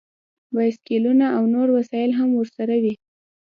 بایسکلونه او نور وسایل هم ورسره وي